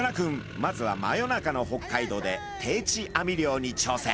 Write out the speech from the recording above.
まずは真夜中の北海道で定置網漁にちょうせん。